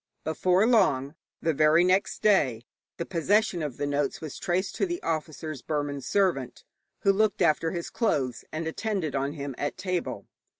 Before long the very next day the possession of the notes was traced to the officer's Burman servant, who looked after his clothes and attended on him at table.